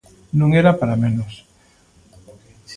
Non era para menos.